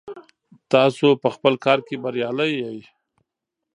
تاسو په خپل کار کې بریالي یئ.